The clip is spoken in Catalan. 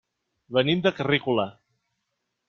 Venim de Carrícola.